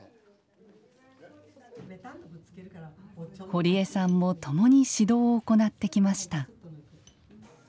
堀江さんも共に指導を行ってきました。